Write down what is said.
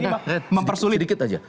ini mempersulit sedikit saja